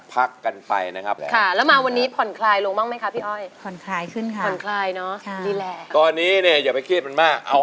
ตอนนี้เนี้ยอย่าไปเครียดมันมาก